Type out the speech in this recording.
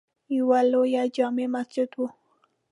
یوه لویه جامع مسجد وه.